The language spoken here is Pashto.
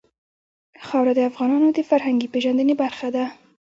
خاوره د افغانانو د فرهنګي پیژندنې برخه ده.